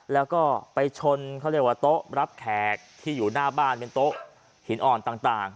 แล้วก็ไปชนเขาเรียกว่าโต๊ะรับแขกที่อยู่หน้าบ้านเป็นโต๊ะหินอ่อนต่าง